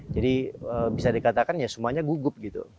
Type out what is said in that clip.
jadi bisa dikatakan ya semuanya gugup gitu